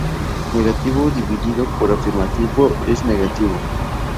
Negativo dividido por afirmativo es negativo.